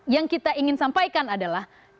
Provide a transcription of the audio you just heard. yang kita ingin sampaikan adalah